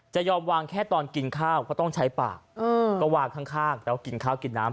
จะยอมวางแค่ตอนกินข้าวก็ต้องใช้ปากก็วางข้างแล้วกินข้าวกินน้ำ